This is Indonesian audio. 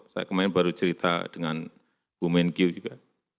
saya kemarin baru cerita dengan bu menkyu juga